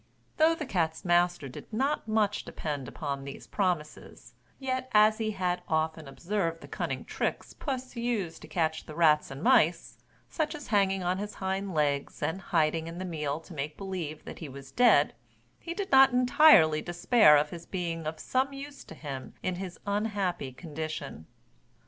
Though the cat's master did not much depend upon these promises, yet, as he had often observed the cunning tricks puss used to catch the rats and mice, such as hanging upon his hind legs, and hiding in the meal to make believe that he was dead, he did not entirely despair of his being of some use to him in his unhappy condition.